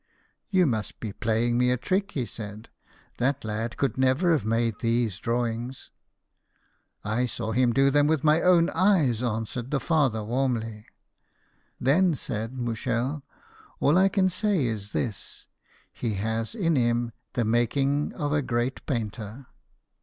" You must be playing me a trick," he said ;" that lad could never have made these drawings." " I saw him do them with my own eyes," answered the father warmly. " Then," said Mouchel, JEAN FRANQOIS MILLET, PAINTER. 121 "all I can say is this : he has in him the making of a great painter."